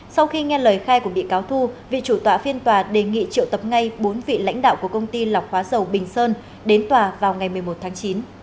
sau khi nghe lời khai của bị cáo thu vị chủ tọa phiên tòa đề nghị triệu tập ngay bốn vị lãnh đạo của công ty lọc hóa dầu bình sơn đến tòa vào ngày một mươi một tháng chín